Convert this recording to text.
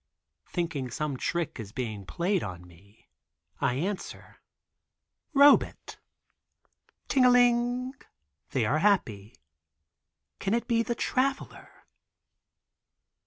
Thinking some trick is being played on me I answer: "Robet." Ting a ling ling. They are happy. (Can it be the Traveler?)